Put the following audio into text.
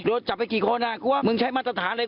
โดนจับไปกี่คนอ่ะกลัวมึงใช้มาตรฐานอะไร